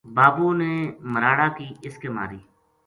بابو نے مراڑا کی اس کے ماری